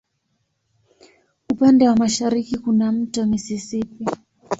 Upande wa mashariki kuna wa Mto Mississippi.